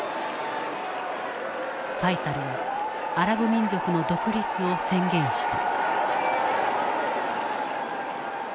ファイサルはアラブ民族の独立を宣言した。